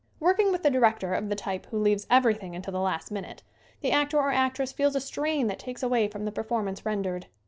Working with the director of the type who leaves everything until the last minute the actor or actress feels a strain that takes away from the performance rendered.